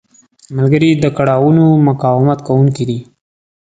ملګری د کړاوونو مقاومت کوونکی دی